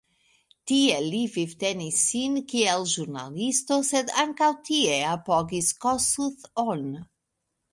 Tie li vivtenis sin, kiel ĵurnalisto, sed ankaŭ tie apogis Kossuth-on.